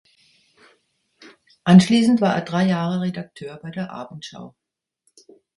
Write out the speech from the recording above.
Anschließend war er drei Jahre Redakteur bei der Abendschau.